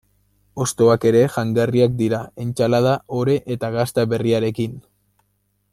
Hostoak ere jangarriak dira, entsalada, ore eta gazta berriarekin.